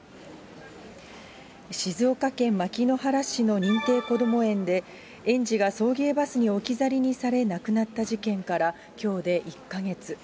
静岡県牧之原市の認定こども園で、園児が送迎バスに置き去りにされ亡くなった事件から、きょうで１か月。